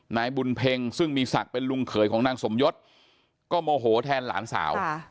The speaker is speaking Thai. นายบุญเพ็งซึ่งมีศักดิ์เป็นลุงเขยของนางสมยศก็โมโหแทนหลานสาว